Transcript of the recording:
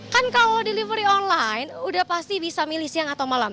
kan kalau delivery online udah pasti bisa milih siang atau malam